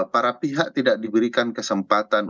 para pihak tidak diberikan kesempatan